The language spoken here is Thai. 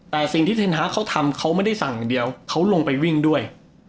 แต่สิ่งที่เทนฮาร์กเขาทำเขาไม่ได้สั่งอย่างเดียวเขาลงไปวิ่งด้วย